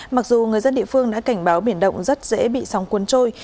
mặc dù người dân địa phương đã cảnh báo biển động rất dễ bị sóng cuốn trôi